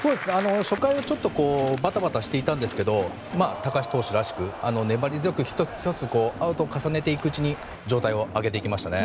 初回はバタバタしていたんですが高橋投手らしく粘り強く１つ１つアウトを重ねていくうちに状態を上げていきましたね。